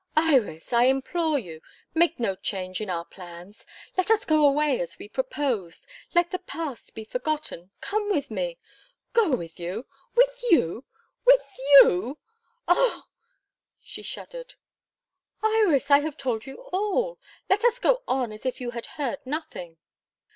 "Iris! I implore you, make no change in our plans. Let us go away as we proposed. Let the past be forgotten. Come with me " "Go with you? With you? With you? Oh!" she shuddered. "Iris! I have told you all. Let us go on as if you had heard nothing.